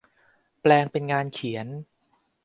แปลงเป็นงานเขียน